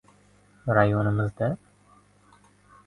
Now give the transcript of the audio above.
— Rayonimizda...